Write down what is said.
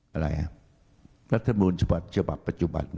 อะไรครับรัฐบุญฉบับปัจจุบัน